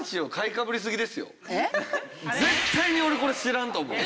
絶対に俺これ知らんと思う。